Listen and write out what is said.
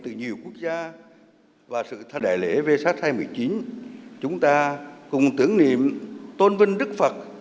từ nhiều quốc gia và sự đại lễ vê sắc hai nghìn một mươi chín chúng ta cùng tưởng niệm tôn vinh đức phật